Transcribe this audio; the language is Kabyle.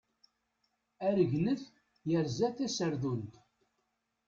Aregnet yerza taserdunt.